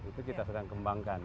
itu kita sedang kembangkan